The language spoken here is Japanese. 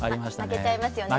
負けちゃいますよね